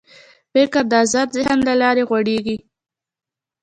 فکر د آزاد ذهن له لارې غوړېږي.